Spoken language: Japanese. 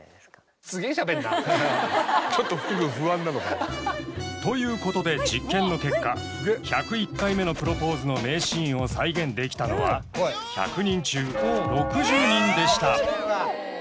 なんかということで実験の結果「１０１回目のプロポーズ」の名シーンを再現できたのは１００人中６０人でした